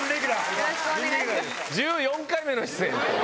よろしくお願いします。